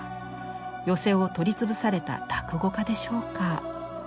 寄席を取り潰された落語家でしょうか。